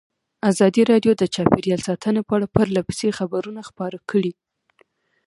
ازادي راډیو د چاپیریال ساتنه په اړه پرله پسې خبرونه خپاره کړي.